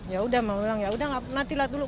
ya udah mama bilang ya udah nanti lihat dulu